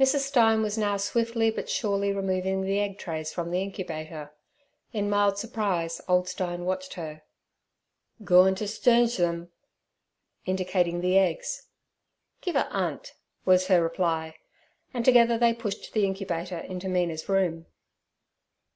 Mrs. Stein now was swiftly but surely removing the egg trays from the incubator. In mild surprise old Stein watched her. 'Goin' ter schange 'em?'—indicating the eggs. 'Give a 'andt' was her reply, and together they pushed the incubator into Mina's room.